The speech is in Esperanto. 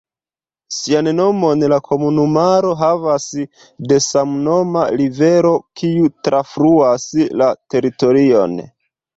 Sian nomon la komunumaro havas de samnoma rivero, kiu trafluas la teritorion.